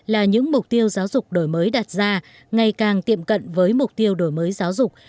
là những mục tiêu giáo dục đổi mới đặt ra ngày càng tiệm cận với mục tiêu đổi mới giáo dục